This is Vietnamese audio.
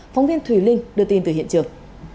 phóng viên thùy linh đưa tin từ hiện trường